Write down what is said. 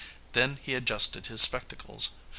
Then he adjusted his spectacles.